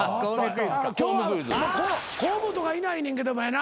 今日は河本がいないねんけどもやな。